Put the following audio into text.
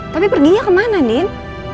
tapi perginya kemana nien